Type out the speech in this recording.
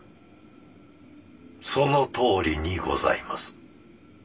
そのとおりにございます。